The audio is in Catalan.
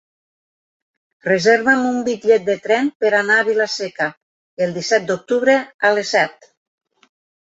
Reserva'm un bitllet de tren per anar a Vila-seca el disset d'octubre a les set.